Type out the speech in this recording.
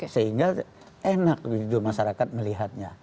sehingga enak gitu masyarakat melihatnya